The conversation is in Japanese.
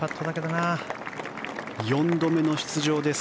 ４度目の出場です。